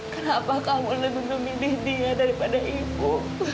kenapa kamu lebih memilih dia daripada ibu